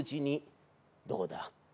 どうだ？